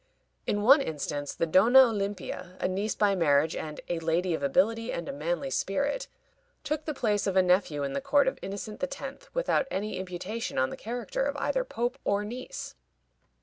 In one instance, the Donna Olimpia, a niece by marriage, and "a lady of ability and a manly spirit," took the place of a nephew in the court of Innocent X., without any imputation on the character of either pope or niece.